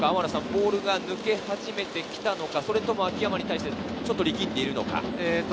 ボールが抜け始めてきたのか、秋山に対して力んでいるのか。